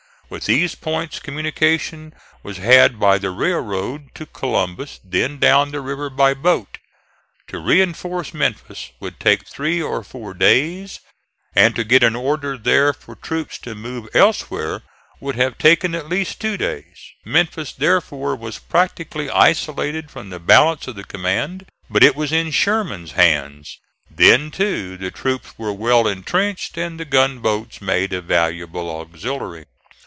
With these points communication was had by the railroad to Columbus, then down the river by boat. To reinforce Memphis would take three or four days, and to get an order there for troops to move elsewhere would have taken at least two days. Memphis therefore was practically isolated from the balance of the command. But it was in Sherman's hands. Then too the troops were well intrenched and the gunboats made a valuable auxiliary.